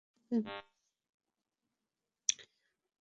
Hostel থেকে বের করে দিয়েছে ওকে।